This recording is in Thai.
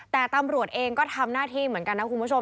แต่ตำรวจเองก็ทำหน้าที่เหมือนกันนะคุณผู้ชม